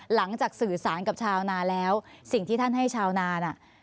หลังจากสื่อสารกับชาวนาแล้วสิ่งที่ท่านให้ชาวนาน่ะ